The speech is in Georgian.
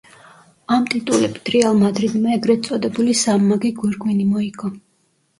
ამ ტიტულებით რეალ მადრიდმა ეგრეთ წოდებული „სამმაგი გვირგვინი“ მოიგო.